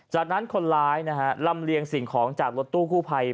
จากนั้นคนร้ายนะฮะลำเลียงสิ่งของจากรถตู้กู้ภัย